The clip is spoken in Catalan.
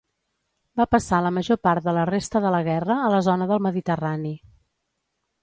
Va passar la major part de la resta de la guerra a la zona del Mediterrani.